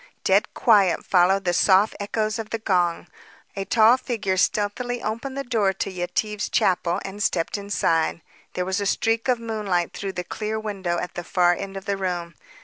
Dead quiet followed the soft echoes of the gong. A tall figure stealthily opened the door to Yetive's chapel and stepped inside. There was a streak of moonlight through the clear window at the far end of the room.